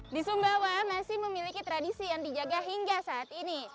di sumbawa masih memiliki tradisi yang dijaga hingga saat ini